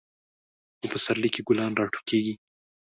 په پسرلی کې ګلان راټوکیږي.